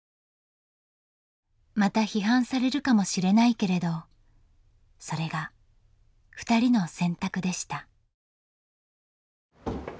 また批判されるかもしれないけれどそれがふたりの選択でした。